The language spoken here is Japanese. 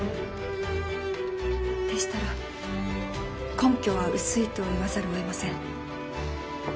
でしたら根拠は薄いと言わざるを得ません。